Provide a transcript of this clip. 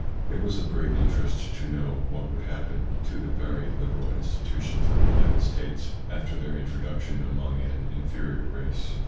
It was of great interest to know what would happen to the very liberal institutions of the United States after their introduction among an inferior race.